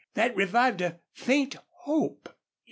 That revived a faint hope.